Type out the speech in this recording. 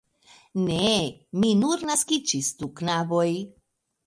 Ne! Ni nur naskiĝis du knaboj!